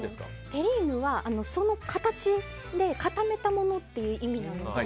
テリーヌは、その形で固めたものっていう意味なんです。